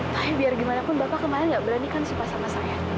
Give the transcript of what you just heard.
tapi biar bagaimanapun bapak kemarin gak beranikan sumpah sama saya